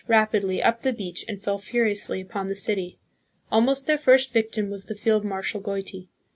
rapidly up the beach and fell furiously upon the city. Almost their first victim was the field marshal Goiti.